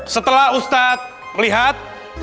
setelah ustadz melihat